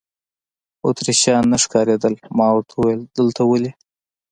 اتریشیان نه ښکارېدل، ما ورته وویل: دلته ولې.